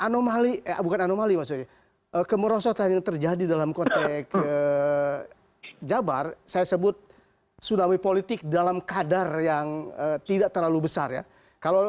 nah kemerosotan yang terjadi dalam konteks jawa barat saya sebut tsunami politik dalam kadar yang tidak terlalu besar ya